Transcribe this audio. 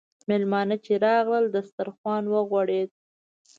میلمانه چې راغلل، دسترخوان وغوړېد.